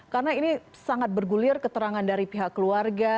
karena ini sangat bergulir keterangan dari pihak keluarga